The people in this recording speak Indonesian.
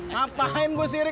ngapain gue sirik